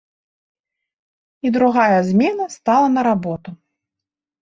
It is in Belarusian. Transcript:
І другая змена стала на работу.